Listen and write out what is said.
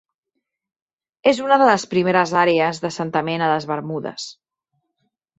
És una de les primeres àrees d'assentament a les Bermudes.